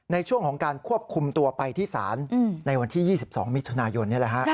ในช่วงของการควบคุมตัวไปที่ศาลในวันที่๒๒มิถุนายน